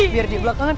biar dia belakangan